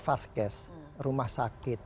faskes rumah sakit